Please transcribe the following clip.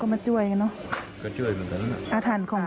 เพราะพ่อเชื่อกับจ้างหักข้าวโพด